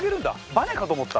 バネかと思った。